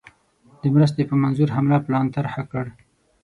د مرستي په منظور حمله پلان طرح کړ.